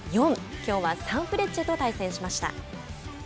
きょうはサンフレッチェと対戦しました。